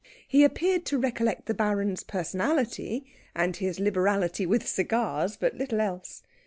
He appeared to recollect the Baron's personality, and his liberality with cigars, but little else.